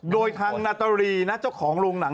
โดยทางนาตรีนะเจ้าของโรงหนัง